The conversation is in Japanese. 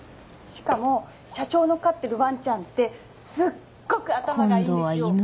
しかも社長の飼ってるワンちゃんってすっごく頭がいいんですよ。